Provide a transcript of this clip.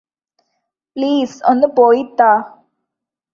please ഒന്നു പോയിത്താ